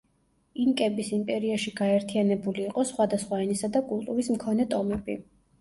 ინკების იმპერიაში გაერთიანებული იყო სხვადასხვა ენისა და კულტურის მქონე ტომები.